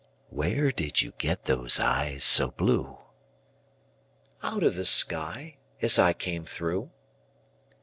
Where did you get those eyes so blue? Out of the sky as I came through.